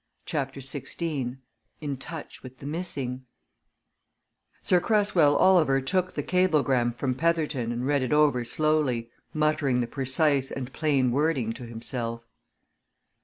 CHAPTER XVI IN TOUCH WITH THE MISSING Sir Cresswell Oliver took the cablegram from Petherton and read it over slowly, muttering the precise and plain wording to himself.